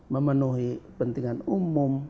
memenuhi pentingan umum